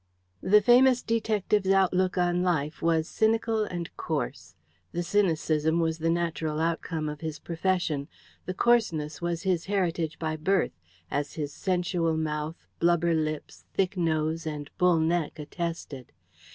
The famous detective's outlook on life was cynical and coarse. The cynicism was the natural outcome of his profession; the coarseness was his heritage by birth, as his sensual mouth, blubber lips, thick nose, and bull neck attested.